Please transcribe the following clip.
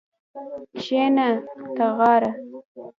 کښېنه تاغاره